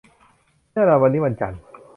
แน่นอน วันนี้วันจันทร์